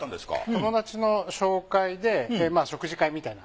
友達の紹介で食事会みたいな。